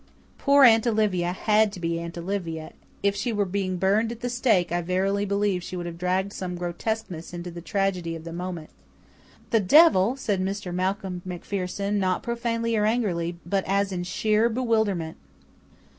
Poor Aunt Olivia had to be Aunt Olivia; if she were being burned at the stake I verily believe she would have dragged some grotesqueness into the tragedy of the moment. "The devil!" said Mr. Malcolm MacPherson not profanely or angrily, but as in sheer bewilderment.